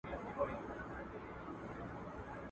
دا شپه پر تېرېدو ده څوک به ځي څوک به راځي..